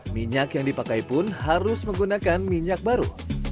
minyak yang dipakai pun harus menggunakan minyak baru